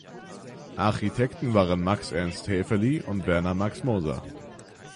Architekten waren Max Ernst Haefeli und Werner Max Moser.